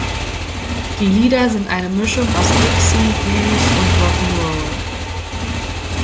Die Lieder sind eine Mischung aus Dixie, Blues und Rock'n'Roll.